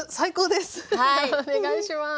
ではお願いします。